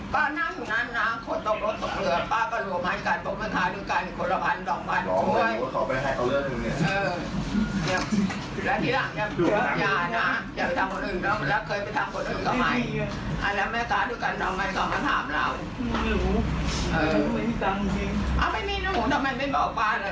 ก้มกราบคุณยายเอาเดี๋ยวดูช่วงนี้หน่อยละกันค่ะ